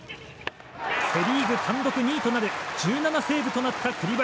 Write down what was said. セリーグ単独２位となる１７セーブとなった栗林。